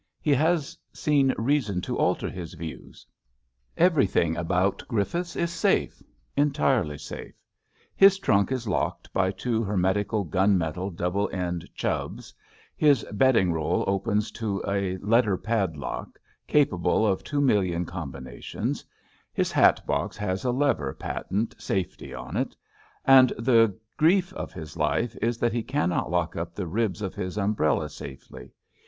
He has seen reason to alter his views. Everything about Griffiths is safe — entirely safe. His trunk is locked by two hermetical gun metal double end Chubbs; his bed ding roU opens to a letter padlock capable of two million combinations; his hat box has a lever patent safety on it; and the grief of his life is that he cannot lock up the ribs of his umbrella safely.